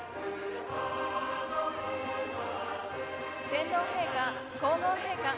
天皇陛下皇后陛下。